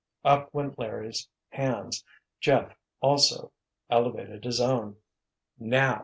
Up went Larry's hands. Jeff, also, elevated his own. "Now!"